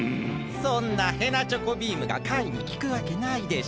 そんなへなちょこビームがカイにきくわけないでしょう。